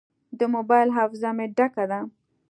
د موبایل حافظه مې ډکه ده.